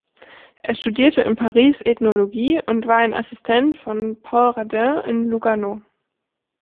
Er studierte in Paris Ethnologie und war ein Assistent von Paul Radin in Lugano.